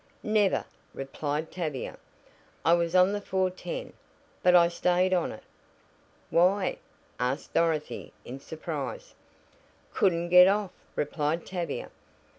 "Never," replied Tavia; "I was on the 4:10, but I stayed on it." "Why?" asked Dorothy in surprise. "Couldn't get off," replied Tavia.